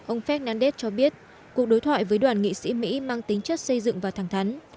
ông fed nandez cho biết cuộc đối thoại với đoàn nghị sĩ mỹ mang tính chất xây dựng và thẳng thắn